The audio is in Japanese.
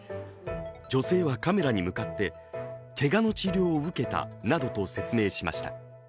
女性はカメラに向かってけがの治療を受けたなどと説明しました。